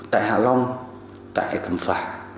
tại hạ long tại cẩm phả